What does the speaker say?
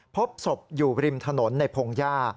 พบศพอยู่ริมถนนในพงหญ้า